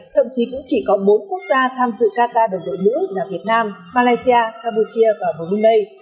thậm chí cũng chỉ có bốn quốc gia tham dự kata đồng đội nữ là việt nam malaysia cambodia và brunei